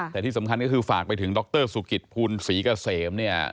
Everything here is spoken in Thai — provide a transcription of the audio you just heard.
แต่ที่สำคัญก็คือฝากไปถึงดรสุกิตภูลศรีเกษมเนี่ย